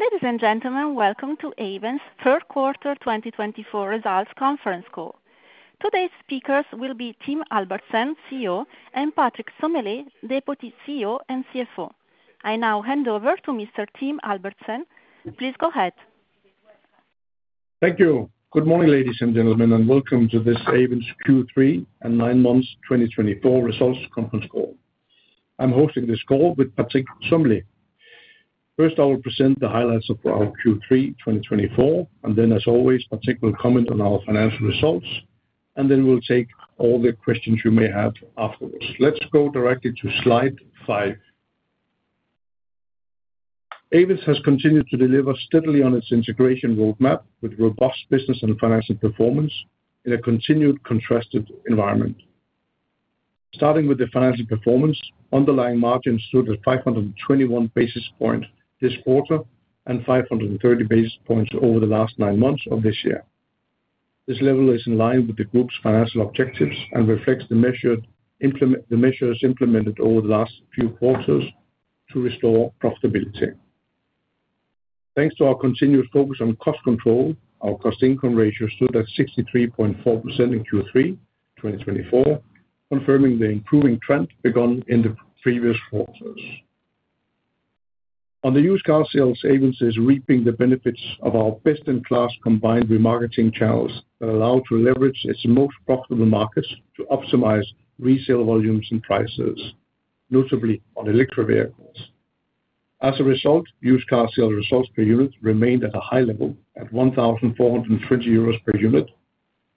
Ladies and gentlemen, welcome to Ayvens' third quarter 2024 results conference call. Today's speakers will be Tim Albertsen, CEO, and Patrick Sommelet, Deputy CEO and CFO. I now hand over to Mr. Tim Albertsen. Please go ahead. Thank you. Good morning, ladies and gentlemen, and welcome to this Ayvens Q3 and nine months 2024 results conference call. I'm hosting this call with Patrick Sommelet. First, I will present the highlights of our Q3 2024, and then, as always, Patrick will comment on our financial results, and then we'll take all the questions you may have afterwards. Let's go directly to slide five. Ayvens has continued to deliver steadily on its integration roadmap with robust business and financial performance in a continued contrasted environment. Starting with the financial performance, underlying margins stood at 521 basis points this quarter and 530 basis points over the last nine months of this year. This level is in line with the group's financial objectives and reflects the measures implemented over the last few quarters to restore profitability. Thanks to our continuous focus on cost control, our cost-to-income ratio stood at 63.4% in Q3 2024, confirming the improving trend begun in the previous quarters. On the used car sales, Ayvens is reaping the benefits of our best-in-class combined remarketing channels that allow it to leverage its most profitable markets to optimize resale volumes and prices, notably on electric vehicles. As a result, used car sales results per unit remained at a high level at €1,420 per unit,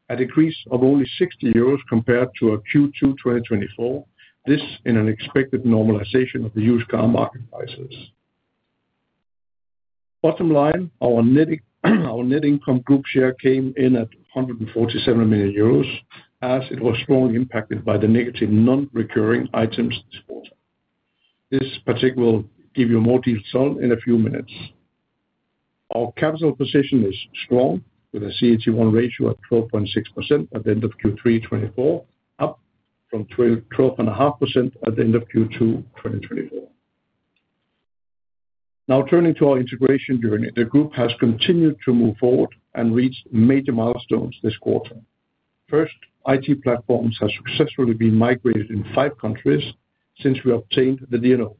a decrease of only €60 compared to Q2 2024, this in an expected normalization of the used car market prices. Bottom line, our net income group share came in at €147 million as it was strongly impacted by the negative non-recurring items this quarter. This, Patrick, will give you more details on in a few minutes. Our capital position is strong with a CET1 ratio at 12.6% at the end of Q3 2024, up from 12.5% at the end of Q2 2024. Now turning to our integration journey, the group has continued to move forward and reached major milestones this quarter. First, IT platforms have successfully been migrated in five countries since we obtained the DNO.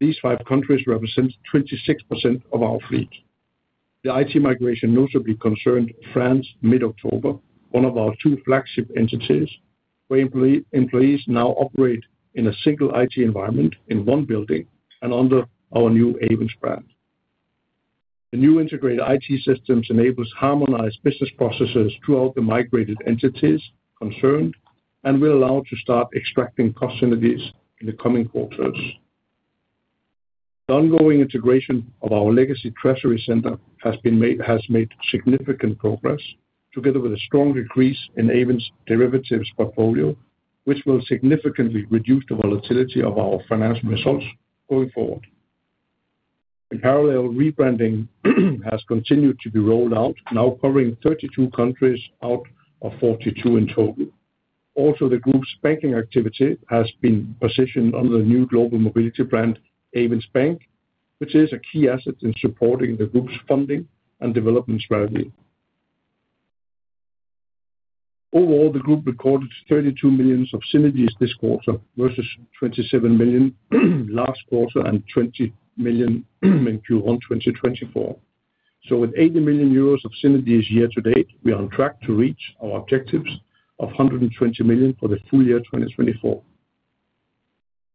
These five countries represent 26% of our fleet. The IT migration notably concerned France mid-October, one of our two flagship entities, where employees now operate in a single IT environment in one building and under our new Ayvens brand. The new integrated IT systems enable harmonized business processes throughout the migrated entities concerned and will allow us to start extracting cost synergies in the coming quarters. The ongoing integration of our legacy treasury center has made significant progress, together with a strong increase in Ayvens' derivatives portfolio, which will significantly reduce the volatility of our financial results going forward. In parallel, rebranding has continued to be rolled out, now covering 32 countries out of 42 in total. Also, the group's banking activity has been positioned under the new global mobility brand, Ayvens Bank, which is a key asset in supporting the group's funding and development strategy. Overall, the group recorded 32 million of synergies this quarter versus 27 million last quarter and 20 million in Q1 2024. So, with €80 million of synergies year to date, we are on track to reach our objectives of €120 million for the full year 2024.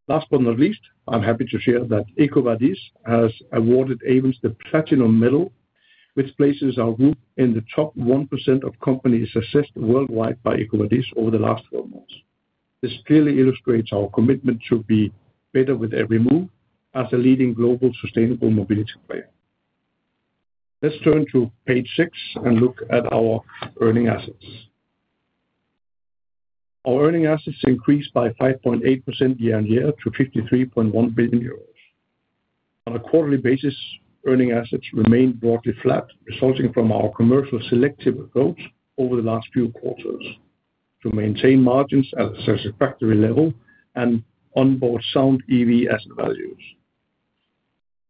Last but not least, I'm happy to share that EcoVadis has awarded Ayvens the Platinum Medal, which places our group in the top 1% of companies assessed worldwide by EcoVadis over the last 12 months. This clearly illustrates our commitment to be better with every move as a leading global sustainable mobility player. Let's turn to page six and look at our earning assets. Our earning assets increased by 5.8% year on year to 53.1 billion euros. On a quarterly basis, earning assets remained broadly flat, resulting from our commercial selective approach over the last few quarters to maintain margins at a satisfactory level and onboard sound EV asset values.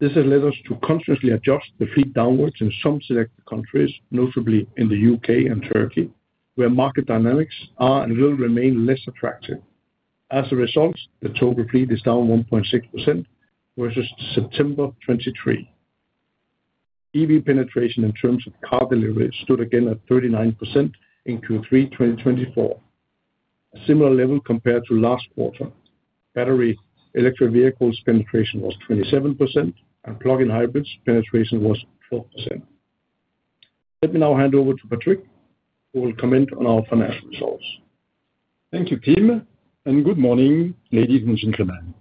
This has led us to consciously adjust the fleet downwards in some selected countries, notably in the U.K. and Turkey, where market dynamics are and will remain less attractive. As a result, the total fleet is down 1.6% versus September 2023. EV penetration in terms of car delivery stood again at 39% in Q3 2024, a similar level compared to last quarter. Battery electric vehicles penetration was 27%, and plug-in hybrids penetration was 12%. Let me now hand over to Patrick, who will comment on our financial results. Thank you, Tim, and good morning, ladies and gentlemen.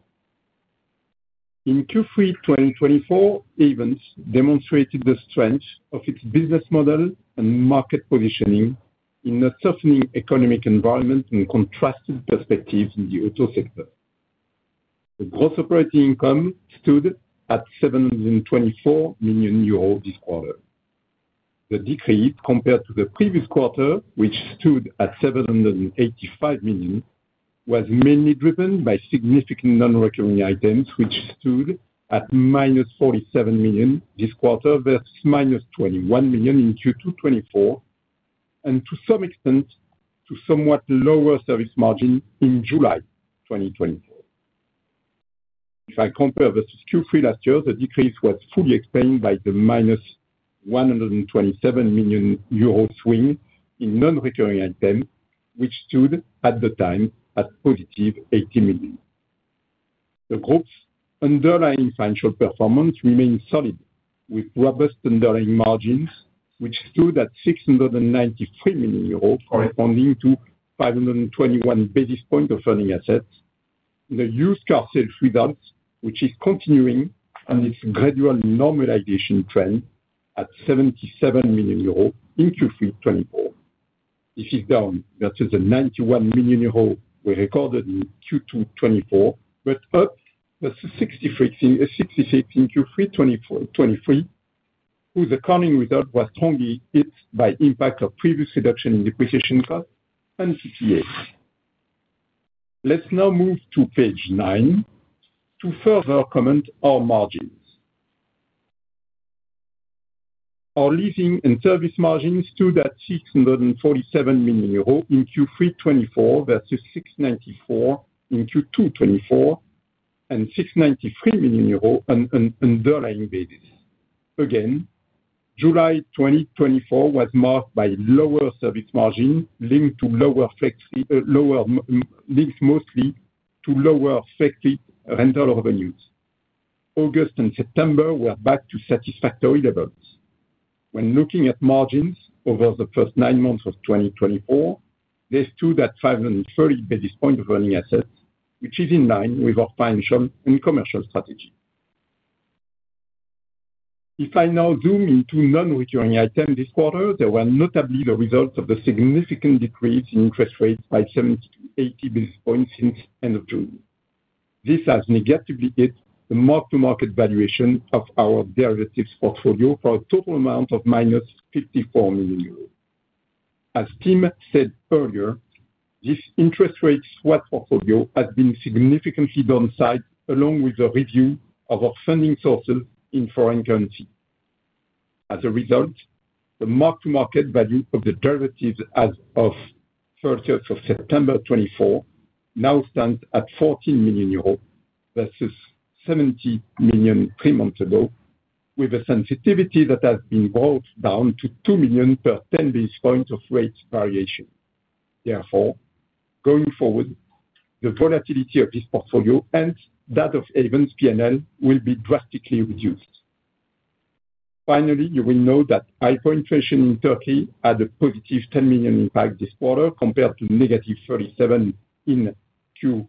In Q3 2024, Ayvens demonstrated the strength of its business model and market positioning in a softening economic environment and contrasted perspectives in the auto sector. The gross operating income stood at 724 million euros this quarter. The decrease compared to the previous quarter, which stood at 785 million, was mainly driven by significant non-recurring items, which stood at 47 million this quarter versus 21 million in Q2 2024, and to some extent to somewhat lower service margin in July 2024. If I compare versus Q3 last year, the decrease was fully explained by the 127 million euro swing in non-recurring items, which stood at the time at positive 80 million. The group's underlying financial performance remained solid, with robust underlying margins, which stood at €693 million, corresponding to 521 basis points of earning assets, the used car sales results, which is continuing on its gradual normalization trend at €77 million in Q3 2024. This is down versus the €91 million we recorded in Q2 2024, but up versus €66 million in Q3 2023, whose accounting result was strongly hit by impact of previous reduction in depreciation costs and CPA. Let's now move to page nine to further comment on our margins. Our leasing and service margins stood at €647 million in Q3 2024 versus €694 million in Q2 2024 and €693 million on an underlying basis. Again, July 2024 was marked by lower service margin linked to lower activity mostly to lower factory rental revenues. August and September were back to satisfactory levels. When looking at margins over the first nine months of 2024, they stood at 530 basis points of earning assets, which is in line with our financial and commercial strategy. If I now zoom into non-recurring items this quarter, there were notably the results of the significant decrease in interest rates by 70 to 80 basis points since the end of June. This has negatively hit the mark-to-market valuation of our derivatives portfolio for a total amount of €54 million. As Tim said earlier, this interest rate swap portfolio has been significantly downsized along with a review of our funding sources in foreign currency. As a result, the mark-to-market value of the derivatives as of 30th of September 2024 now stands at €14 million versus €70 million three months ago, with a sensitivity that has been brought down to €2 million per 10 basis point of rate variation. Therefore, going forward, the volatility of this portfolio and that of Ayvens P&L will be drastically reduced. Finally, you will know that hyperinflation in Turkey had a positive 10 million impact this quarter compared to negative 37 million in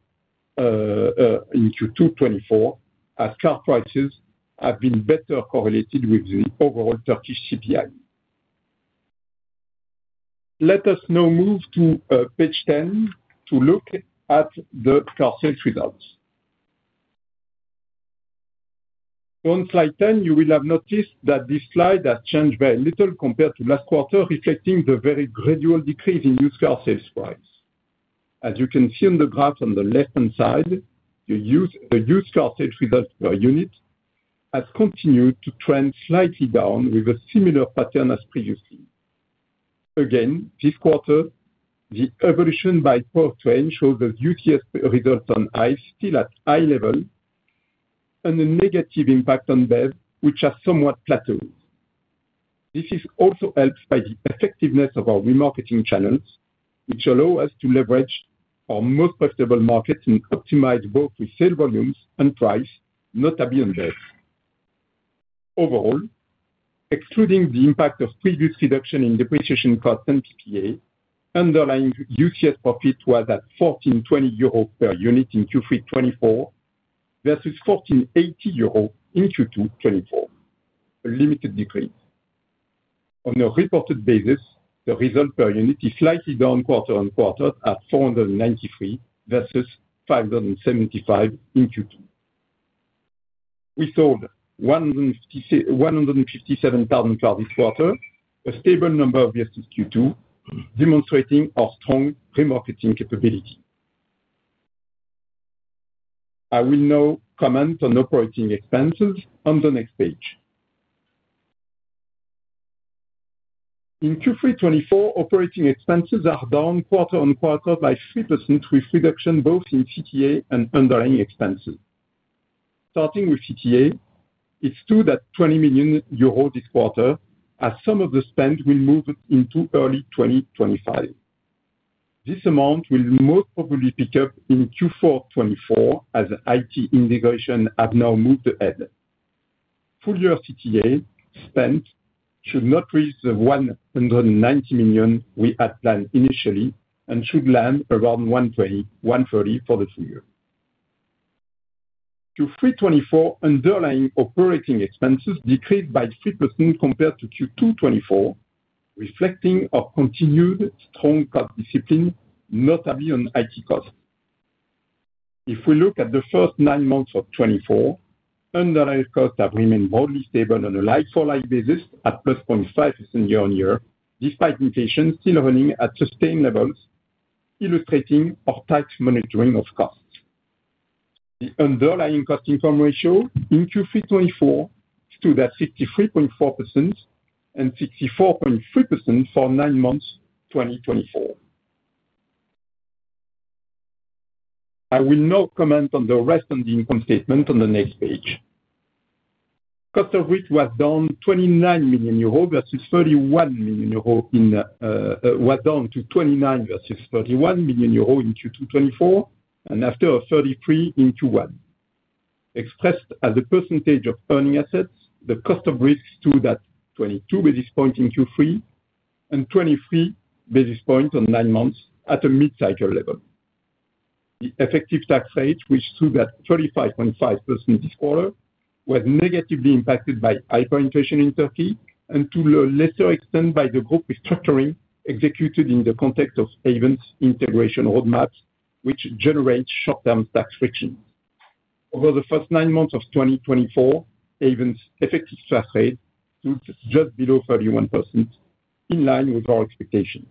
Q2 2024, as car prices have been better correlated with the overall Turkish CPI. Let us now move to page 10 to look at the car sales results. On slide 10, you will have noticed that this slide has changed very little compared to last quarter, reflecting the very gradual decrease in used car sales price. As you can see on the graph on the left-hand side, the used car sales result per unit has continued to trend slightly down with a similar pattern as previously. Again, this quarter, the evolution by growth range shows that UCS results on ICE still at high level and a negative impact on BEV, which has somewhat plateaued. This is also helped by the effectiveness of our remarketing channels, which allow us to leverage our most profitable markets and optimize both resale volumes and price, notably on BEV. Overall, excluding the impact of previous reduction in depreciation costs and CPA, underlying UCS profit was at €1,420 per unit in Q3 2024 versus €1,480 in Q2 2024, a limited decrease. On a reported basis, the result per unit is slightly down quarter on quarter at €493 versus €575 in Q2. We sold 157,000 cars this quarter, a stable number versus Q2, demonstrating our strong remarketing capability. I will now comment on operating expenses on the next page. In Q3 2024, operating expenses are down quarter on quarter by 3% with reduction both in CPA and underlying expenses. Starting with CPA, it stood at 20 million euro this quarter, as some of the spend will move into early 2025. This amount will most probably pick up in Q4 2024 as IT integration has now moved ahead. Full-year CPA spend should not reach the 190 million we had planned initially and should land around 130 for the full year. Q3 2024, underlying operating expenses decreased by 3% compared to Q2 2024, reflecting our continued strong cost discipline, notably on IT costs. If we look at the first nine months of 2024, underlying costs have remained broadly stable on a like-for-like basis at +0.5% year on year, despite inflation still running at sustained levels, illustrating our tight monitoring of costs. The underlying cost-to-income ratio in Q3 2024 stood at 63.4% and 64.3% for nine months 2024. I will now comment on the rest of the income statement on the next page. Cost of risk was down 29 million euros versus 31 million euros in Q2 2024, and after 33 million in Q1. Expressed as a percentage of earning assets, the cost of risk stood at 22 basis points in Q3 and 23 basis points on nine months at a mid-cycle level. The effective tax rate, which stood at 35.5% this quarter, was negatively impacted by hyperinflation in Turkey and to a lesser extent by the group restructuring executed in the context of Ayvens' integration roadmaps, which generates short-term tax frictions. Over the first nine months of 2024, Ayvens' effective tax rate stood just below 31%, in line with our expectations.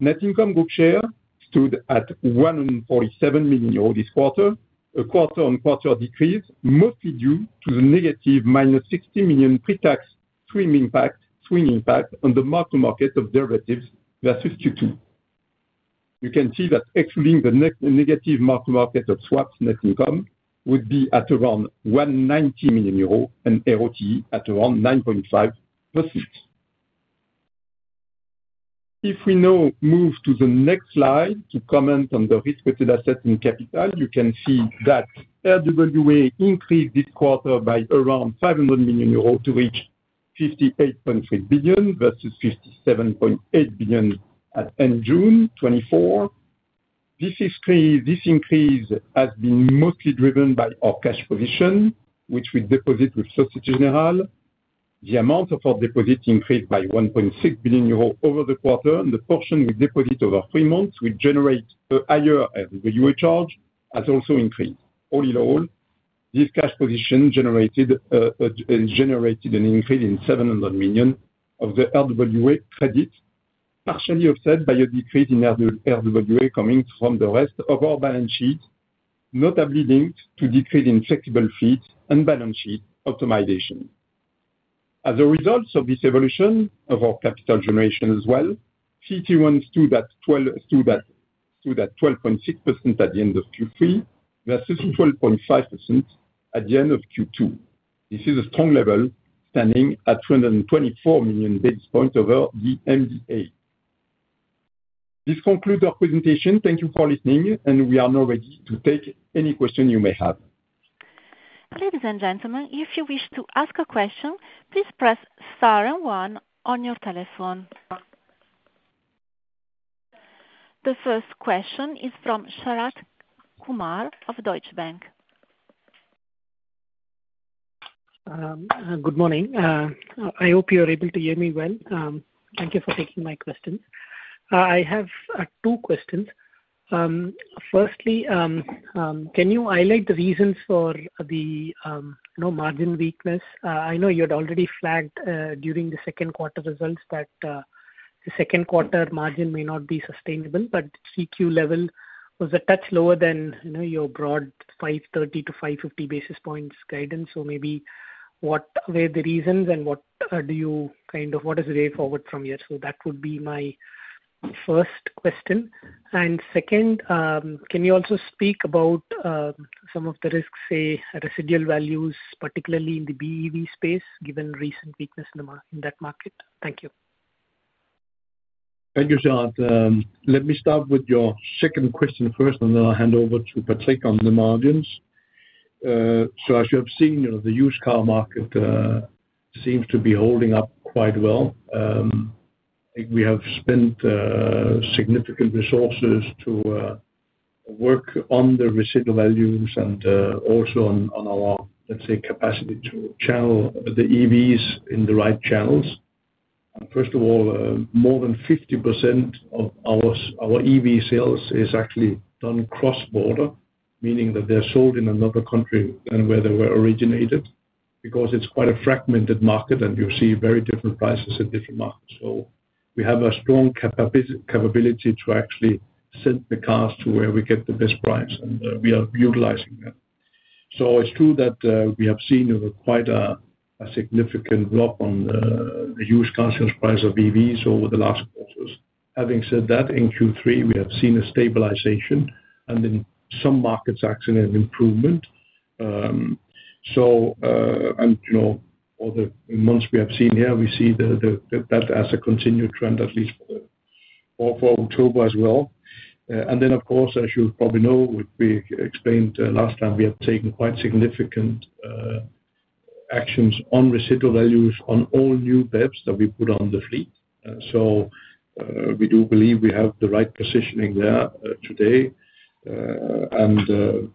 Net income group share stood at 147 million euros this quarter, a quarter-on-quarter decrease mostly due to the negative 60 million pre-tax swing impact on the mark-to-market of derivatives versus Q2. You can see that excluding the negative mark-to-market of swaps net income would be at around 190 million euros and ROTE at around 9.5%. If we now move to the next slide to comment on the risk-weighted assets in capital, you can see that RWA increased this quarter by around 500 million euros to reach 58.3 billion versus 57.8 billion at end June 2024. This increase has been mostly driven by our cash position, which we deposit with Société Générale. The amount of our deposit increased by 1.6 billion euros over the quarter, and the portion we deposit over three months would generate a higher RWA charge has also increased. All in all, this cash position generated an increase in 700 million of the RWA credit, partially offset by a decrease in RWA coming from the rest of our balance sheet, notably linked to decrease in flexible fees and balance sheet optimization. As a result of this evolution of our capital generation as well, CET1 stood at 12.6% at the end of Q3 versus 12.5% at the end of Q2. This is a strong level standing at 224 basis points over the MDA. This concludes our presentation. Thank you for listening, and we are now ready to take any questions you may have. Ladies and gentlemen, if you wish to ask a question, please press star and one on your telephone. The first question is from Sharath Kumar of Deutsche Bank. Good morning. I hope you are able to hear me well. Thank you for taking my questions. I have two questions. Firstly, can you highlight the reasons for the margin weakness? I know you had already flagged during the second quarter results that the second quarter margin may not be sustainable, but Q2 level was a touch lower than your broad 530-550 basis points guidance. So, maybe what were the reasons and what do you kind of, what is the way forward from here? So that would be my first question. And second, can you also speak about some of the risks, say, residual values, particularly in the BEV space, given recent weakness in that market? Thank you. Thank you, Charlotte. Let me start with your second question first, and then I'll hand over to Patrick on the margins. So, as you have seen, the used car market seems to be holding up quite well. We have spent significant resources to work on the residual values and also on our, let's say, capacity to channel the EVs in the right channels. First of all, more than 50% of our EV sales is actually done cross-border, meaning that they're sold in another country than where they were originated because it's quite a fragmented market, and you see very different prices in different markets. So we have a strong capability to actually send the cars to where we get the best price, and we are utilizing that. So it's true that we have seen quite a significant drop on the used car sales price of EVs over the last quarters. Having said that, in Q3, we have seen a stabilization and in some markets actually an improvement. So, and you know, all the months we have seen here, we see that as a continued trend, at least for October as well. And then, of course, as you probably know, we explained last time we have taken quite significant actions on residual values on all new BEVs that we put on the fleet. So we do believe we have the right positioning there today. And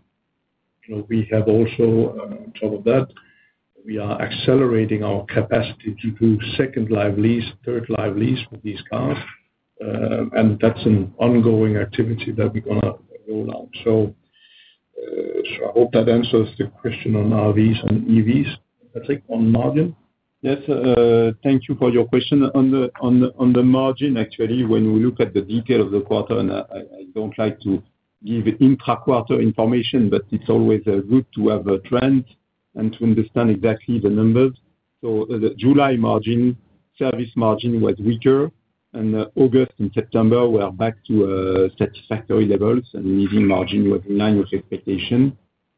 we have also, on top of that, we are accelerating our capacity to do second-life lease, third-life lease for these cars. And that's an ongoing activity that we're going to roll out. So I hope that answers the question on RVs and EVs. Patrick, on margin? Yes. Thank you for your question. On the margin, actually, when we look at the detail of the quarter, and I don't like to give intra-quarter information, but it's always good to have a trend and to understand exactly the numbers. So the July margin, service margin was weaker, and August and September were back to satisfactory levels, and the leasing margin was in line with expectations.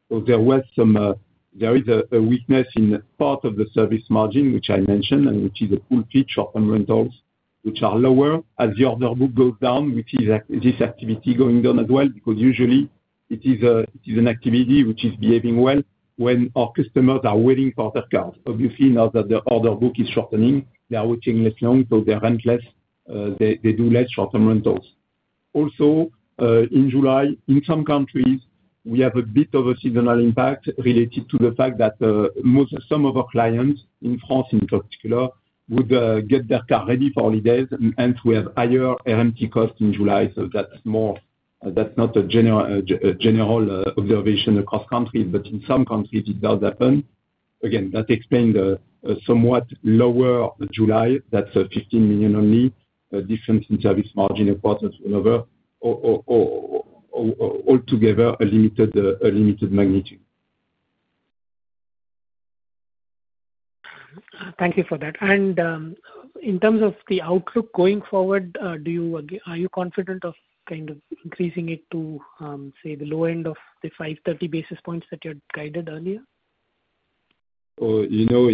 So there is a weakness in part of the service margin, which I mentioned, and which is a full pitch of rentals, which are lower as the order book goes down, which is this activity going down as well, because usually it is an activity which is behaving well when our customers are waiting for their cars. Obviously, now that the order book is shortening, they are waiting less long, so they rent less, they do less short-term rentals. Also, in July, in some countries, we have a bit of a seasonal impact related to the fact that most of some of our clients in France, in particular, would get their car ready for holidays, and we have higher RMT costs in July. So that's more that's not a general observation across countries, but in some countries, it does happen. Again, that explained a somewhat lower July, that's a 15 million only difference in service margin a quarter or another, altogether a limited magnitude. Thank you for that, and in terms of the outlook going forward, are you confident of kind of increasing it to, say, the low end of the 530 basis points that you had guided earlier? You know,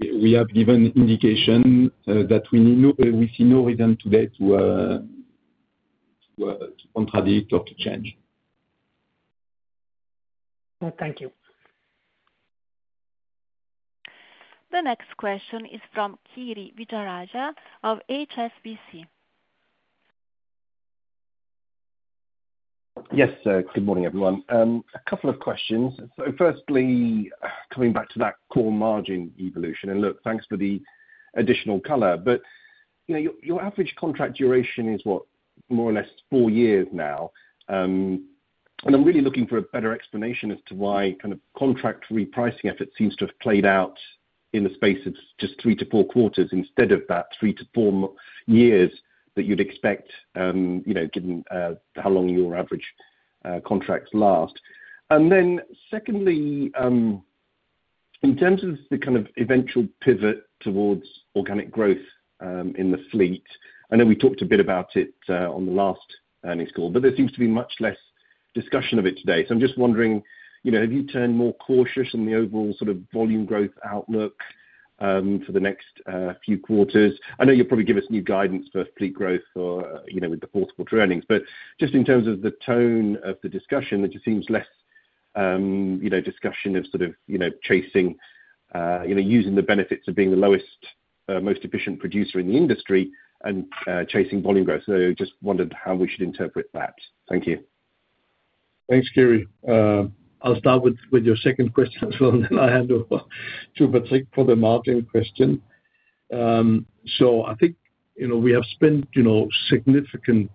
we have given indication that we see no reason today to contradict or to change. Thank you. The next question is from Kiri Vijayarajah of HSBC. Yes, good morning, everyone. A couple of questions. So firstly, coming back to that core margin evolution, and look, thanks for the additional color, but your average contract duration is, what, more or less four years now. And I'm really looking for a better explanation as to why kind of contract repricing efforts seems to have played out in the space of just three to four quarters instead of that three to four years that you'd expect, given how long your average contracts last. And then secondly, in terms of the kind of eventual pivot towards organic growth in the fleet, I know we talked a bit about it on the last earnings call, but there seems to be much less discussion of it today. So I'm just wondering, have you turned more cautious on the overall sort of volume growth outlook for the next few quarters? I know you'll probably give us new guidance for fleet growth with the fourth quarter earnings, but just in terms of the tone of the discussion, there just seems less discussion of sort of chasing, using the benefits of being the lowest, most efficient producer in the industry and chasing volume growth. So I just wondered how we should interpret that. Thank you. Thanks, Kiri. I'll start with your second question as well, and then I'll hand over to Patrick for the margin question. So I think we have spent a significant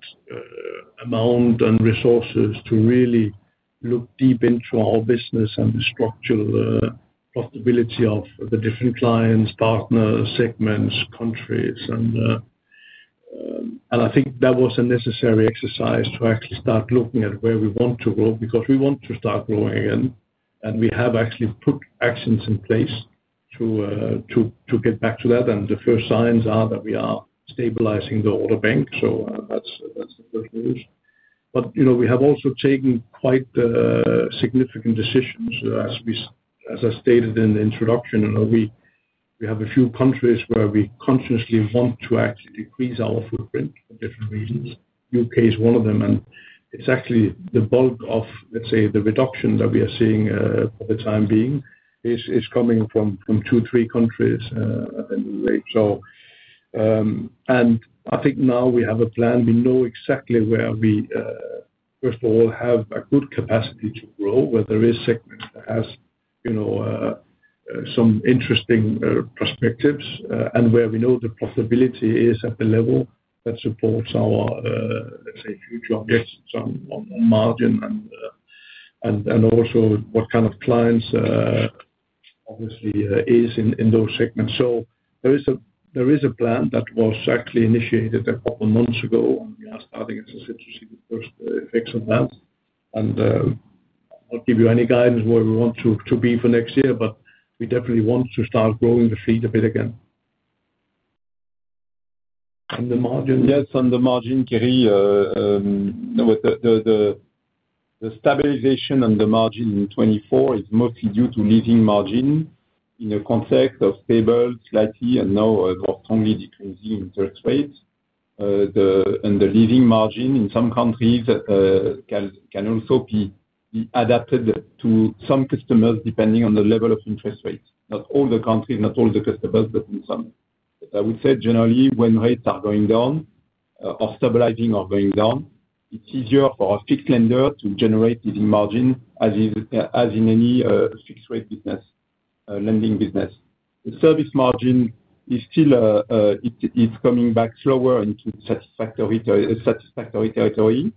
amount and resources to really look deep into our business and the structural profitability of the different clients, partners, segments, countries. And I think that was a necessary exercise to actually start looking at where we want to grow because we want to start growing again, and we have actually put actions in place to get back to that. And the first signs are that we are stabilizing the order bank, so that's the good news. But we have also taken quite significant decisions. As I stated in the introduction, we have a few countries where we consciously want to actually decrease our footprint for different reasons. UK is one of them, and it's actually the bulk of, let's say, the reduction that we are seeing for the time being is coming from two, three countries. And I think now we have a plan. We know exactly where we, first of all, have a good capacity to grow, where there is segment that has some interesting perspectives and where we know the profitability is at the level that supports our, let's say, future objectives on margin and also what kind of clients obviously is in those segments. So there is a plan that was actually initiated a couple of months ago, and we are starting, as I said, to see the first effects of that. And I'll give you any guidance where we want to be for next year, but we definitely want to start growing the fleet a bit again. And the margin? Yes, on the margin, Kiri. The stabilization on the margin in 2024 is mostly due to leasing margin in a context of stable, slightly, and now more strongly decreasing interest rates. The leasing margin in some countries can also be adapted to some customers depending on the level of interest rates. Not all the countries, not all the customers, but in some. But I would say generally, when rates are going down or stabilizing or going down, it is easier for a fixed lender to generate leasing margin as in any fixed-rate lending business. The service margin is still coming back slower into satisfactory territory.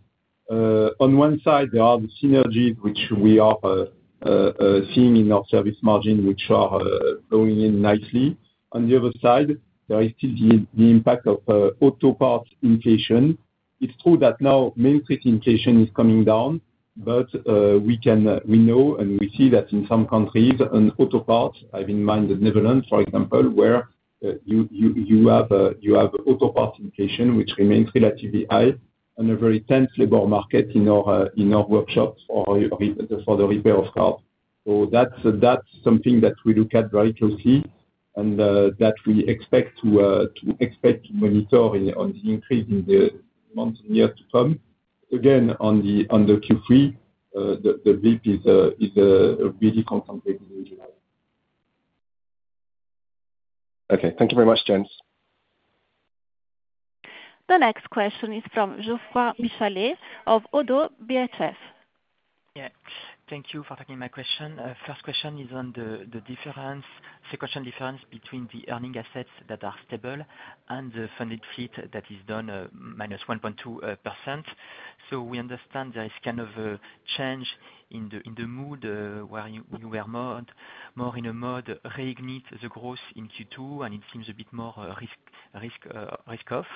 On one side, there are the synergies which we are seeing in our service margin, which are going in nicely. On the other side, there is still the impact of auto parts inflation. It's true that now main street inflation is coming down, but we know and we see that in some countries, auto parts, I mean, in the Netherlands, for example, where you have auto parts inflation, which remains relatively high in a very tense labor market in our workshops for the repair of cars. So that's something that we look at very closely and that we expect to monitor an increase in the months and years to come. Again, in the Q3, the BIP is really concentrated in July. Okay. Thank you very much, James. The next question is from Geoffroy Michalet of Oddo BHF. Yeah. Thank you for taking my question. First question is on the difference, sequential difference between the earning assets that are stable and the funded fleet that is down -1.2%. So we understand there is kind of a change in the mood where you were more in a mode reignite the growth in Q2, and it seems a bit more risk-off.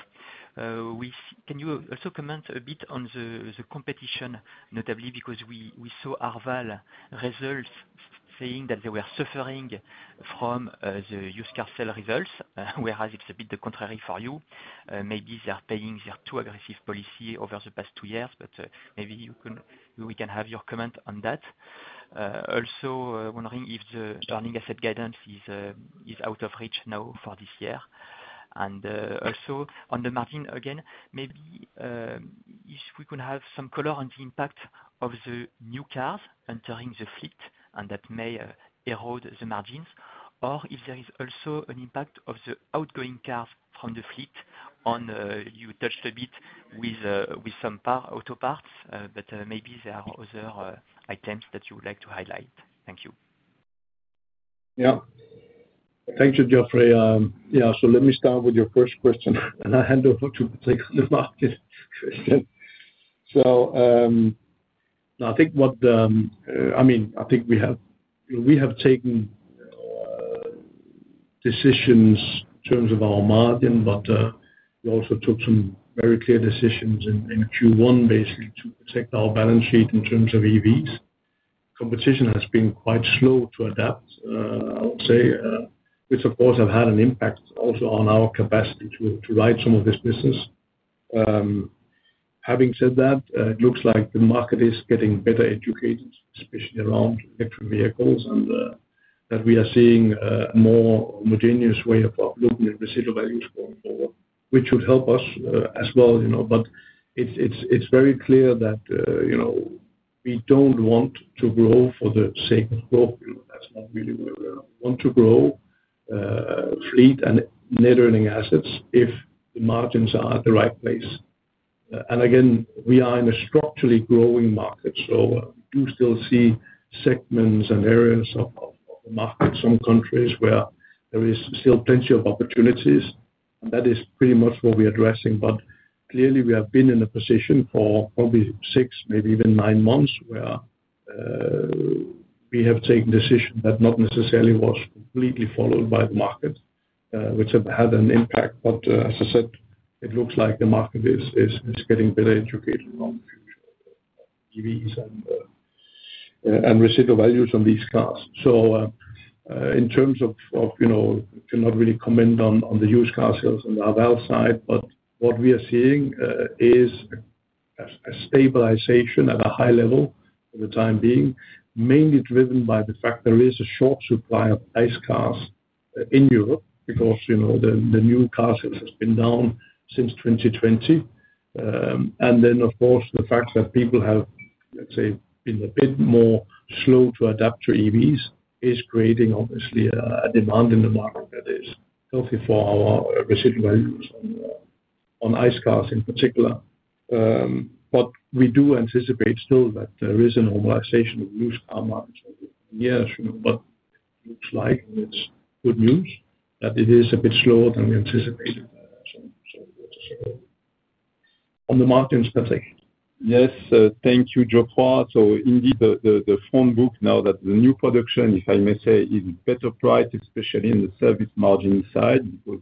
Can you also comment a bit on the competition, notably, because we saw Arval results saying that they were suffering from the used car sale results, whereas it's a bit the contrary for you. Maybe they're paying for their too aggressive policy over the past two years, but maybe we can have your comment on that. Also wondering if the earning asset guidance is out of reach now for this year? Also on the margin, again, maybe if we could have some color on the impact of the new cars entering the fleet and that may erode the margins, or if there is also an impact of the outgoing cars from the fleet. On you touched a bit with some auto parts, but maybe there are other items that you would like to highlight. Thank you. Yeah. Thank you, Geoffroy. Yeah. So let me start with your first question, and I'll hand over to Patrick for the market question. So I think. I mean, I think we have taken decisions in terms of our margin, but we also took some very clear decisions in Q1, basically, to protect our balance sheet in terms of EVs. Competition has been quite slow to adapt, I would say, which, of course, have had an impact also on our capacity to ride some of this business. Having said that, it looks like the market is getting better educated, especially around electric vehicles, and that we are seeing a more homogeneous way of looking at residual values going forward, which should help us as well. But it's very clear that we don't want to grow for the sake of growth. That's not really where we want to grow, fleet and net earning assets if the margins are at the right place, and again, we are in a structurally growing market, so we do still see segments and areas of the market, some countries where there is still plenty of opportunities, and that is pretty much what we're addressing, but clearly, we have been in a position for probably six, maybe even nine months where we have taken decisions that not necessarily were completely followed by the market, which have had an impact, but as I said, it looks like the market is getting better educated on the future of EVs and residual values on these cars. So in terms of, I cannot really comment on the used car sales on the Arval side, but what we are seeing is a stabilization at a high level for the time being, mainly driven by the fact there is a short supply of nice cars in Europe because the new car sales have been down since 2020. And then, of course, the fact that people have, let's say, been a bit more slow to adapt to EVs is creating, obviously, a demand in the market that is healthy for our residual values on nice cars in particular. But we do anticipate still that there is a normalization of the used car market over the coming years, but it looks like it's good news that it is a bit slower than we anticipated. On the margins, Patrick. Yes. Thank you, Geoffroy. So indeed, the front book now that the new production, if I may say, is better priced, especially on the service margin side, because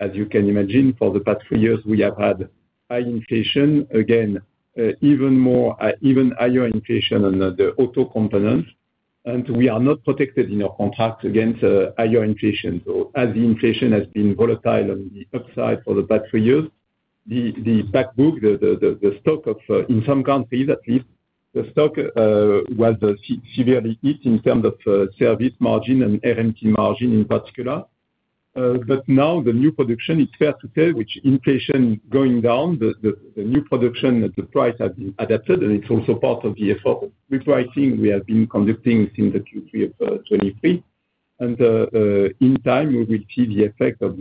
as you can imagine, for the past three years, we have had high inflation, again, even higher inflation on the auto parts, and we are not protected in our contract against higher inflation. So as the inflation has been volatile on the upside for the past three years, the back book, the stock of, in some countries at least, the stock was severely hit in terms of service margin and remarketing margin in particular. But now the new production, it's fair to say, with inflation going down, the new production at the price has been adapted, and it's also part of the effort of repricing we have been conducting since the Q3 of 2023. In time, we will see the effect of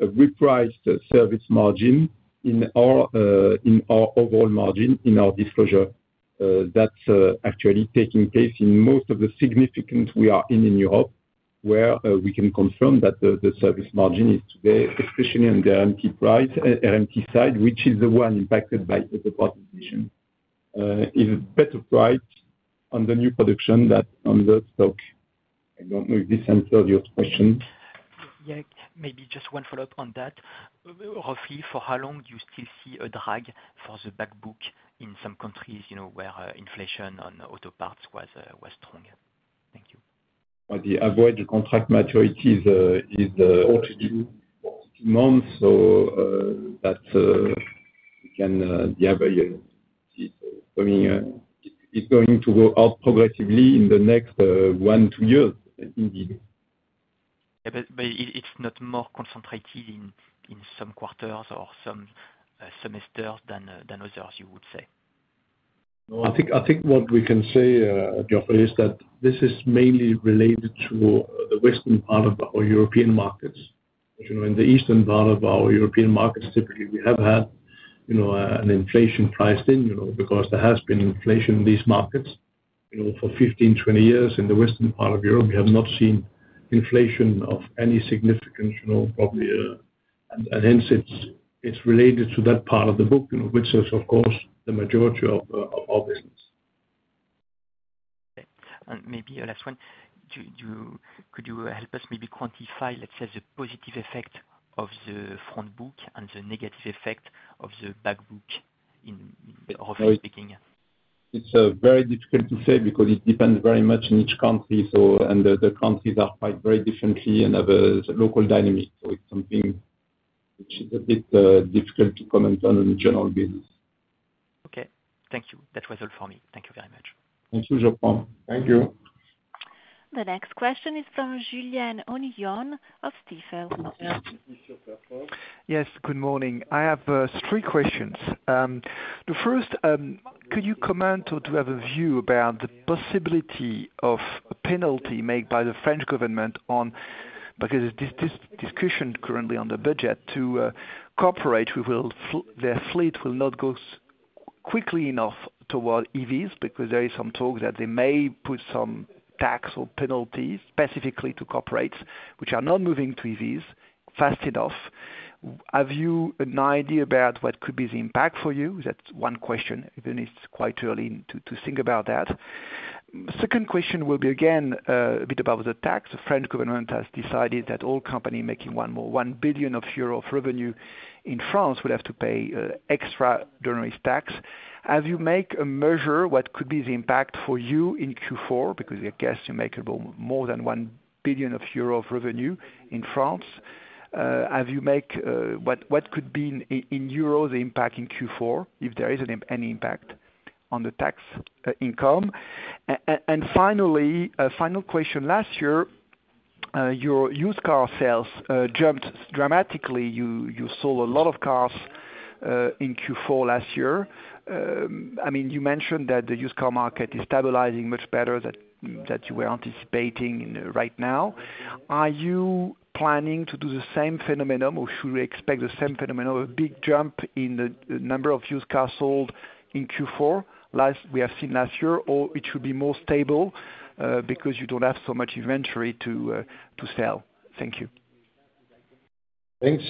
this repriced service margin in our overall margin in our disclosure. That's actually taking place in most of the significant we are in in Europe, where we can confirm that the service margin is today, especially on the RMT side, which is the one impacted by the partition. It's better priced on the new production than on the stock. I don't know if this answers your question. Yeah. Maybe just one follow-up on that. Roughly, for how long do you still see a drag for the backbook in some countries where inflation on auto parts was strong? Thank you. The average contract maturity is 42 months, so that we can see it's coming. It's going to go out progressively in the next one to two years, indeed. Yeah. But it's not more concentrated in some quarters or some semesters than others, you would say? I think what we can say, Geoffrey, is that this is mainly related to the western part of our European markets. In the eastern part of our European markets, typically, we have had an inflation priced in because there has been inflation in these markets for 15, 20 years. In the western part of Europe, we have not seen inflation of any significance, probably, and hence, it's related to that part of the book, which is, of course, the majority of our business. Okay. And maybe last one. Could you help us maybe quantify, let's say, the positive effect of the front book and the negative effect of the backbook, roughly speaking? It's very difficult to say because it depends very much on each country, and the countries are quite very differently and have a local dynamic. So it's something which is a bit difficult to comment on in general business. Okay. Thank you. That was all for me. Thank you very much. Thank you, Geoffroy. Thank you. The next question is from Julien Onillon of Stifel. Yes. Good morning. I have three questions. The first, could you comment or do you have a view about the possibility of a penalty made by the French government on, because this discussion currently on the budget, that corporates' fleets will not go quickly enough toward EVs because there is some talk that they may put some tax or penalties specifically to corporates which are not moving to EVs fast enough. Have you an idea about what could be the impact for you? That's one question, even if it's quite early to think about that. Second question will be again a bit about the tax. The French government has decided that all companies making 1 billion euro of revenue in France will have to pay exceptional tax. Have you made a measure what could be the impact for you in Q4? Because I guess you make more than 1 billion euro of revenue in France. Have you made what could be in euros the impact in Q4, if there is any impact on the tax income? And finally, final question. Last year, your used car sales jumped dramatically. You sold a lot of cars in Q4 last year. I mean, you mentioned that the used car market is stabilizing much better than you were anticipating right now. Are you planning to do the same phenomenon, or should we expect the same phenomenon, a big jump in the number of used cars sold in Q4 we have seen last year, or it should be more stable because you don't have so much inventory to sell? Thank you. Thanks,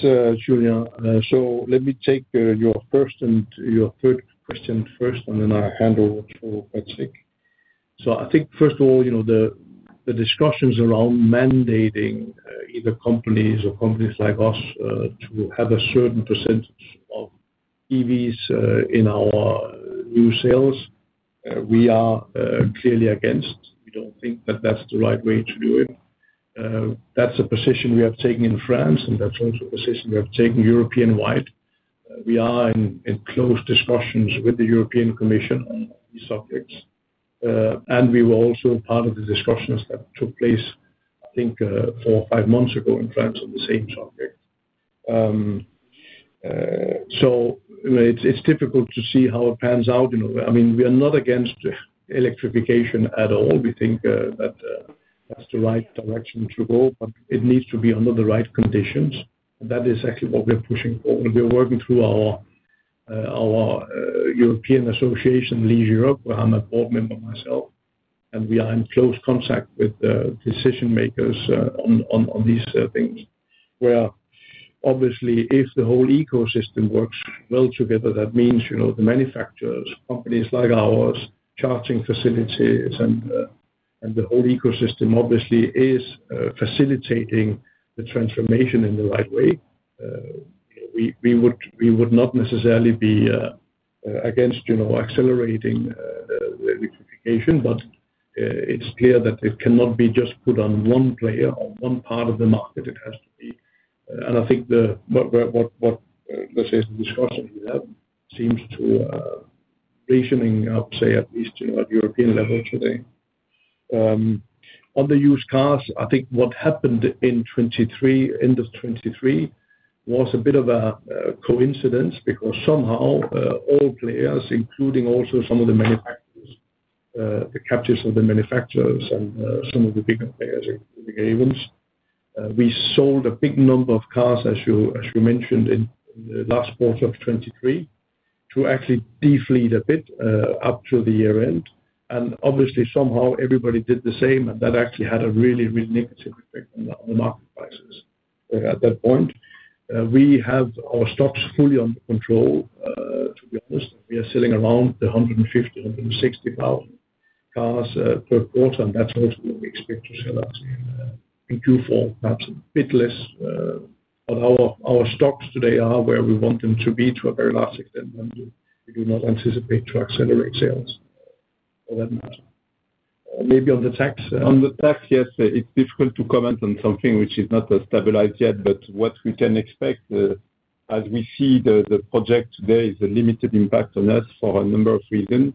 Julien. Let me take your first and your third question first, and then I'll hand over to Patrick. So I think, first of all, the discussions around mandating either companies or companies like us to have a certain percentage of EVs in our new sales, we are clearly against. We don't think that that's the right way to do it. That's a position we have taken in France, and that's also a position we have taken European-wide. We are in close discussions with the European Commission on these subjects, and we were also part of the discussions that took place, I think, four or five months ago in France on the same subject. So it's difficult to see how it pans out. I mean, we are not against electrification at all. We think that that's the right direction to go, but it needs to be under the right conditions. That is actually what we're pushing for. We're working through our European association, Leaseurope, where I'm a board member myself, and we are in close contact with decision-makers on these things, where obviously, if the whole ecosystem works well together, that means the manufacturers, companies like ours, charging facilities, and the whole ecosystem obviously is facilitating the transformation in the right way. We would not necessarily be against accelerating electrification, but it's clear that it cannot be just put on one player or one part of the market. It has to be, and I think what the discussion we have seems to be reasoning, I would say, at least at the European level today. On the used cars, I think what happened in the end of 2023 was a bit of a coincidence because somehow all players, including also some of the manufacturers, the captives of the manufacturers and some of the bigger players, including Ayvens, we sold a big number of cars, as you mentioned, in the last quarter of 2023, to actually deflate a bit up to the year end. And obviously, somehow everybody did the same, and that actually had a really, really negative effect on the market prices at that point. We have our stocks fully under control, to be honest. We are selling around 150-160,000 cars per quarter, and that's also what we expect to sell in Q4, perhaps a bit less. But our stocks today are where we want them to be to a very large extent, and we do not anticipate to accelerate sales for that matter. Maybe on the tax? On the tax, yes, it's difficult to comment on something which is not stabilized yet, but what we can expect, as we see the project today, is a limited impact on us for a number of reasons.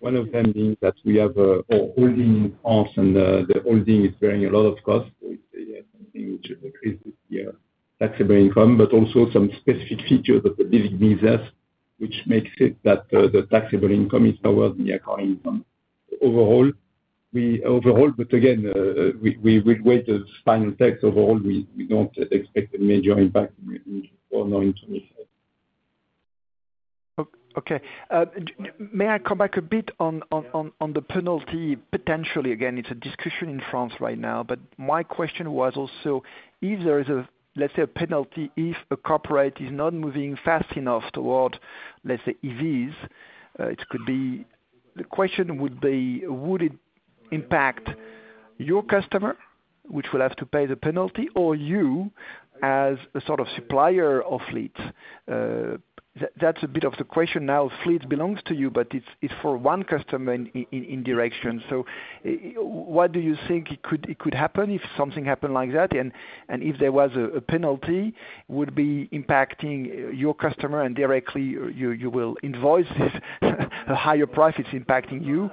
One of them being that we have a holding in France, and the holding is bearing a lot of costs. So it's something which increases the taxable income, but also some specific features of the leasing business, which makes it that the taxable income is lower than the accounting income. Overall, but again, we will wait the final tax. Overall, we don't expect a major impact in Q4 nor in 2025. Okay. May I come back a bit on the penalty? Potentially, again, it's a discussion in France right now, but my question was also, if there is a, let's say, a penalty if a corporate is not moving fast enough toward, let's say, EVs, it could be the question would be, would it impact your customer, which will have to pay the penalty, or you as a sort of supplier of fleets? That's a bit of the question now. Fleets belongs to you, but it's for one customer in direction. So what do you think it could happen if something happened like that? And if there was a penalty, would it be impacting your customer and directly you will invoice a higher price? It's impacting you.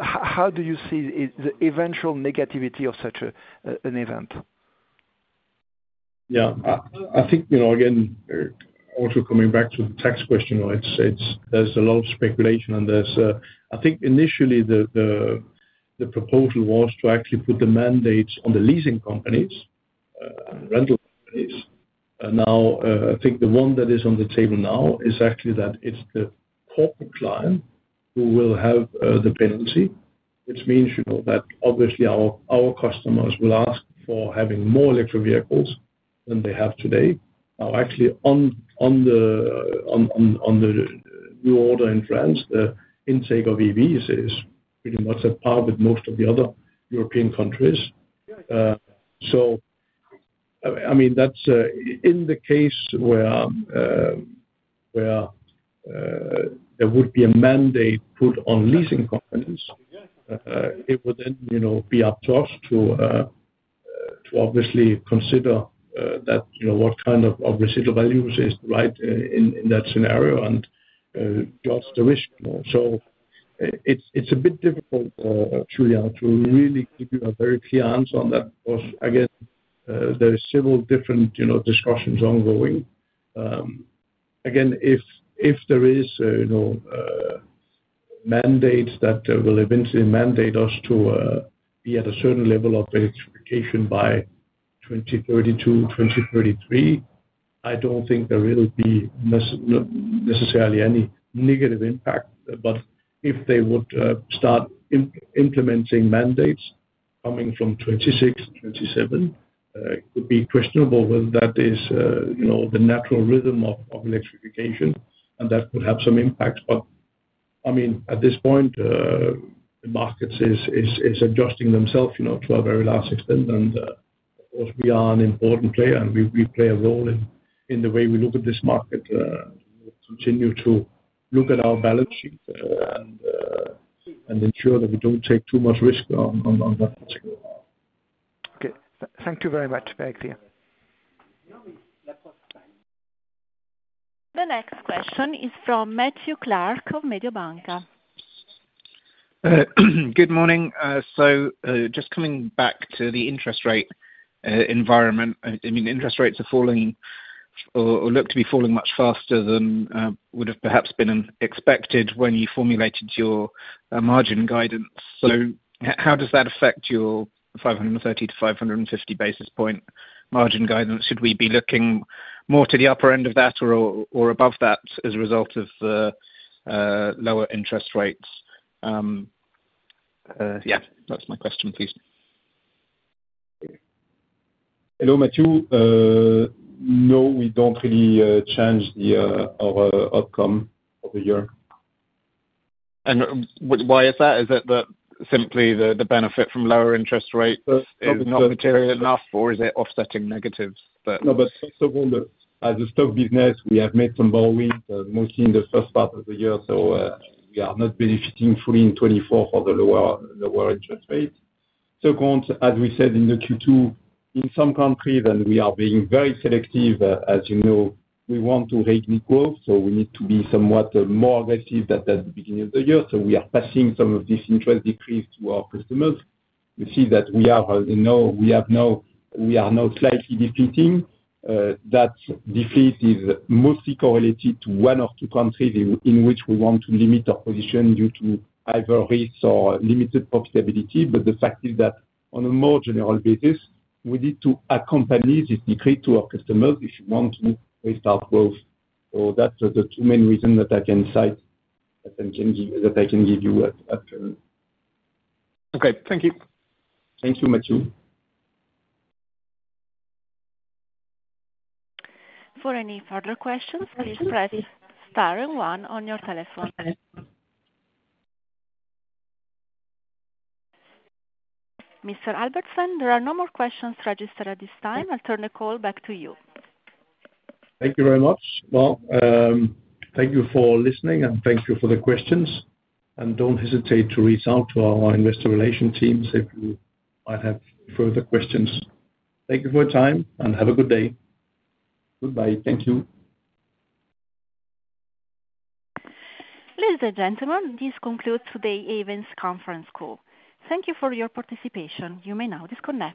How do you see the eventual negativity of such an event? Yeah. I think, again, also coming back to the tax question, there's a lot of speculation, and I think initially the proposal was to actually put the mandates on the leasing companies and rental companies. Now, I think the one that is on the table now is actually that it's the corporate client who will have the penalty, which means that obviously our customers will ask for having more electric vehicles than they have today. Now, actually, on the new order in France, the intake of EVs is pretty much on par with most of the other European countries. So I mean, in the case where there would be a mandate put on leasing companies, it would then be up to us to obviously consider what kind of residual values is right in that scenario and judge the risk. So it's a bit difficult, Julien, to really give you a very clear answer on that because, again, there are several different discussions ongoing. Again, if there is a mandate that will eventually mandate us to be at a certain level of electrification by 2032, 2033, I don't think there will be necessarily any negative impact. But if they would start implementing mandates coming from 2026, 2027, it could be questionable whether that is the natural rhythm of electrification, and that could have some impact. But I mean, at this point, the market is adjusting themselves to a very large extent. And of course, we are an important player, and we play a role in the way we look at this market. We will continue to look at our balance sheet and ensure that we don't take too much risk on that particular part. Okay. Thank you very much. Very clear. The next question is from Matthew Clark of Mediobanca. Good morning. So just coming back to the interest rate environment, I mean, interest rates are falling or look to be falling much faster than would have perhaps been expected when you formulated your margin guidance. So how does that affect your 530-550 basis points margin guidance? Should we be looking more to the upper end of that or above that as a result of the lower interest rates? Yeah. That's my question, please. Hello, Matthew. No, we don't really change our outcome for the year. And why is that? Is it that simply the benefit from lower interest rates is not material enough, or is it offsetting negatives? No, but first of all, as a stock business, we have made some borrowings, mostly in the first part of the year, so we are not benefiting fully in 2024 for the lower interest rates. Second, as we said in the Q2, in some countries, and we are being very selective, as you know, we want to regulate growth, so we need to be somewhat more aggressive at the beginning of the year. So we are passing some of these interest decreases to our customers. You see that we have now. We are now slightly deflating. That deflation is mostly correlated to one or two countries in which we want to limit our position due to either risk or limited profitability. But the fact is that on a more general basis, we need to accompany this decrease to our customers if we want to restart growth. So that's the two main reasons that I can cite that I can give you at the moment. Okay. Thank you. Thank you, Matthew. For any further questions, please press star and one on your telephone. Mr. Albertsen, there are no more questions registered at this time. I'll turn the call back to you. Thank you very much. Well, thank you for listening, and thank you for the questions. And don't hesitate to reach out to our investor relation teams if you might have further questions. Thank you for your time, and have a good day. Goodbye. Thank you. Ladies and gentlemen, this concludes today's Ayvens Conference call. Thank you for your participation. You may now disconnect.